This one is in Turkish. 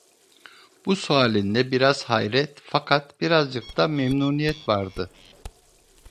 Bu sualinde biraz hayret, fakat birazcık da memnuniyet vardı.